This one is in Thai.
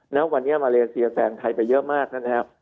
ณวันนี้มาเลเซียแซงไทยไปเยอะมากนะครับ